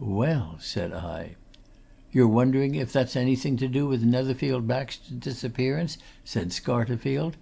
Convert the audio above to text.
"Well?" said I. "You're wondering if that's anything to do with Netherfield Baxter's disappearance?" said Scarterfield.